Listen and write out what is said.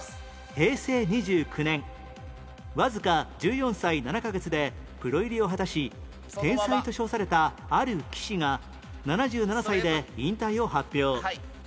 平成２９年わずか１４歳７カ月でプロ入りを果たし天才と称されたある棋士が７７歳で引退を発表